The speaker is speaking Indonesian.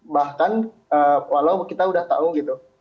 bahkan walau kita udah tahu gitu